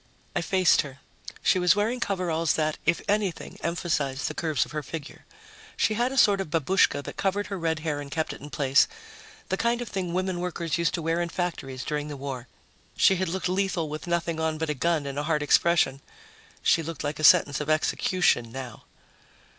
I faced her. She was wearing coveralls that, if anything, emphasized the curves of her figure. She had a sort of babushka that covered her red hair and kept it in place the kind of thing women workers used to wear in factories during the war. She had looked lethal with nothing on but a gun and a hard expression. She looked like a sentence of execution now.